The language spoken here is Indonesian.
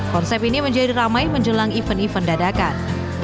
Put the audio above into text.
konsep ini menjadi ramai menjelang event event dadakan